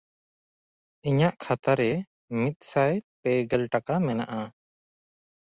ᱤᱧᱟᱜ ᱠᱷᱟᱛᱟ ᱨᱮ ᱢᱤᱫᱥᱟᱭ ᱯᱮ ᱜᱮᱞ ᱴᱟᱠᱟ ᱢᱮᱱᱟᱜᱼᱟ᱾